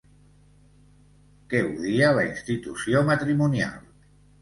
Que odia la institució matrimonial.